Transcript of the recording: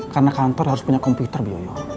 karena kantor harus punya komputer bioyo